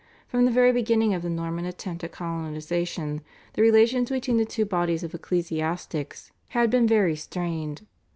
From the very beginning of the Norman attempt at colonisation the relations between the two bodies of ecclesiastics had been very strained.